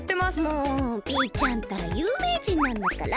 もうピーちゃんったらゆうめいじんなんだから！